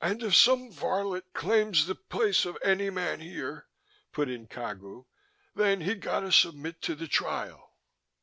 "And if some varlet claims the place of any man here," put in Cagu, "then he gotta submit to the Trial."